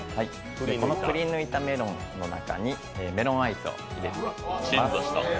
くり抜いたメロンの中にメロンアイスを入れます。